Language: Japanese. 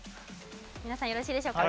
皆さんよろしいでしょうか？